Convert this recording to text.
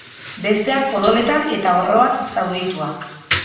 Besteak odoletan eta orroaz zaurituak.